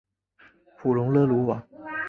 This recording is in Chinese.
普龙勒鲁瓦。